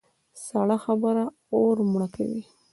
سړه خبره اور مړه کوي.